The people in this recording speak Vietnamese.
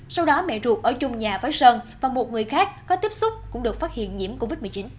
sau đó mẹ ruột ở chung nhà với sơn và một người khác có tiếp xúc cũng được phát hiện nhiễm covid một mươi chín